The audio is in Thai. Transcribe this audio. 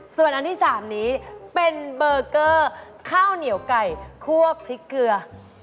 ส่วนอันที่๓นี้เป็นเบอร์เกอร์ข้าวเหนียวไก่คั่วพริกเกลือ